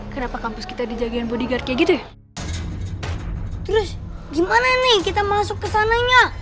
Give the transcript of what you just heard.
kenapa kampus kita dijagaan bodyguard kayak gitu ya terus gimana nih kita masuk kesananya